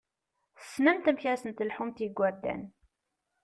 Tessnemt amek ad sen-telḥumt i yigurdan!